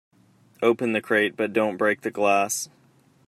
Open the crate but don't break the glass.